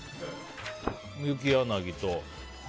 ユキヤナギと。